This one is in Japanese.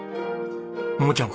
桃ちゃん